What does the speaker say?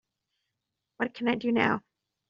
what can I do now?